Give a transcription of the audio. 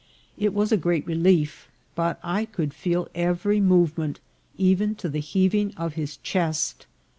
It was a great relief, but I could feel every movement, even to the heaving of his chest.